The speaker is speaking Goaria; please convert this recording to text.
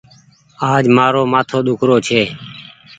آج مآرو مآٿو ۮيک رو ڇي۔